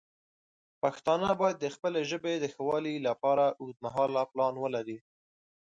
پښتانه باید د خپلې ژبې د ښه والی لپاره اوږدمهاله پلان ولري.